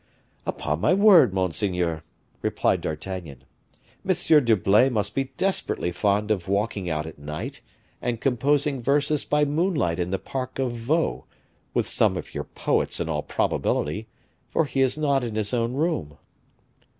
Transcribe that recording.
"Upon my word, monseigneur," replied D'Artagnan, "M. d'Herblay must be desperately fond of walking out at night, and composing verses by moonlight in the park of Vaux, with some of your poets, in all probability, for he is not in his own room."